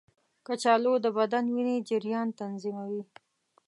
کچالو د بدن وینې جریان تنظیموي.